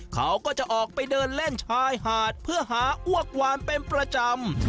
เขาก็จะออกไปเดินเล่นชายหาดเพื่อหาอ้วกวานเป็นประจำ